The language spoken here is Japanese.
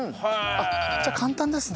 あっじゃあ簡単ですね。